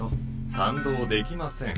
賛同できません。